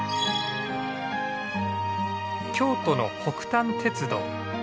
京都の北丹鉄道。